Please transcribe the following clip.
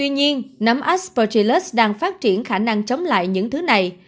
nấm aspergillus đang phát triển khả năng chống lại những thứ này